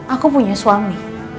aku punya suami